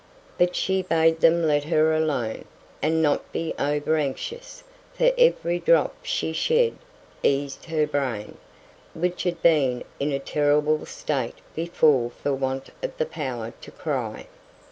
But she bade them let her alone, and not be over anxious, for every drop she shed eased her brain, which had been in a terrible state before for want of the power to cry.